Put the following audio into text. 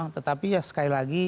tetapi ya sekali lagi